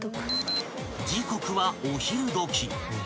［時刻はお昼時］